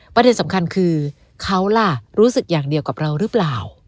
ประเด็นสำคัญคือเขาล่ะรู้สึกอย่างเดียวกับเราหรือเปล่า